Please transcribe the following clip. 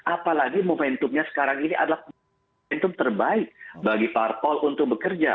apalagi momentumnya sekarang ini adalah momentum terbaik bagi parpol untuk bekerja